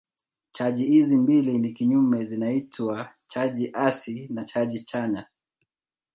Chaji hizi mbili ni kinyume zinaitwa chaji hasi na chaji chanya.